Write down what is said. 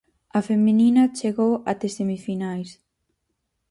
A feminina chegou até semifinais.